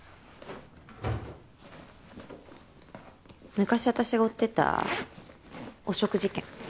昔私が追ってた汚職事件